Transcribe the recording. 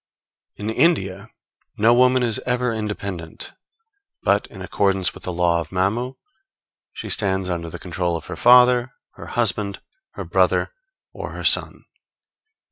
In India, no woman is ever independent, but in accordance with the law of Mamu, she stands under the control of her father, her husband, her brother or her son.